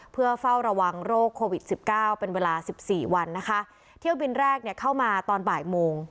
เพื่อเฝ้าระวังโรคโควิดสิบเก้าเป็นเวลาสิบสี่วันนะคะเที่ยวบินแรกเนี่ยเข้ามาตอนบ่ายโมง